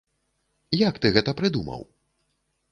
Як ты гэта прыдумаў?